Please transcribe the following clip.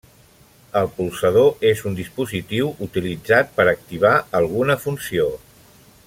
El polsador és un dispositiu utilitzat per activar alguna funció.